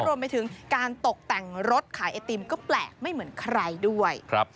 รวมไปถึงการตกแต่งรถขายไอติมก็แปลกไม่เหมือนใครด้วย